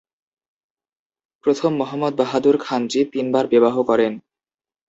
প্রথম মহম্মদ বাহাদুর খানজী তিন বার বিবাহ করেন।